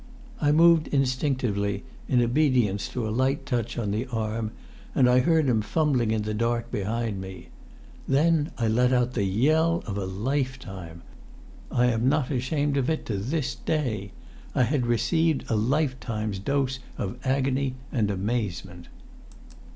I moved instinctively, in obedience to a light touch on the arm, and I heard him fumbling in the dark behind me. Then I let out the yell of a lifetime. I am not ashamed of it to this day. I had received a lifetime's dose of agony and amazement.